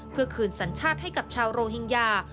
เพื่อคืนสัญชาติให้กับชาวโรฮิงญา